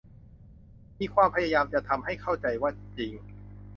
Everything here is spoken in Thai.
มีความพยายามจะทำให้เข้าใจว่าจริง